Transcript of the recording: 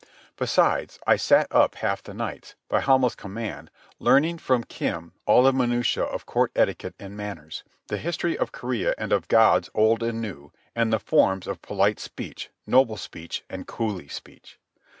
Besides, I sat up half the nights, by Hamel's command, learning from Kim all the minutiæ of court etiquette and manners, the history of Korea and of gods old and new, and the forms of polite speech, noble speech, and coolie speech.